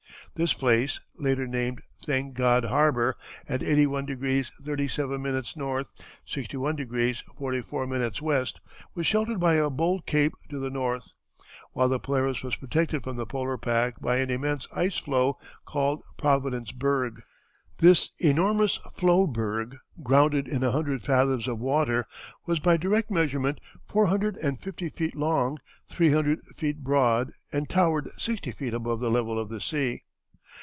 This place, later named Thank God Harbor, in 81° 37´ N., 61° 44´ W., was sheltered by a bold cape to the north, while the Polaris was protected from the polar pack by an immense ice floe, called Providence Berg. This enormous floe berg, grounded in a hundred fathoms of water, was by direct measurement four hundred and fifty feet long, three hundred feet broad, and towered sixty feet above the level of the sea.